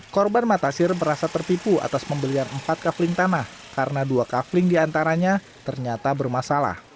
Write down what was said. korban matasir merasa tertipu atas pembelian empat kafling tanah karena dua kaveling diantaranya ternyata bermasalah